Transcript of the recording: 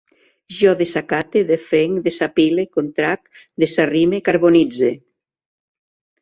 Jo desacate, defenc, desapile, contrac, desarrime, carbonitze